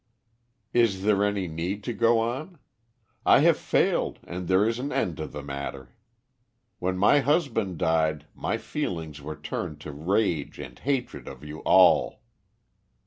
"Is there any need to go on? I have failed and there is an end of the matter. When my husband died my feelings were turned to rage and hatred of you all."